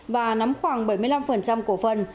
và nắm khoảng bảy mươi tỷ đồng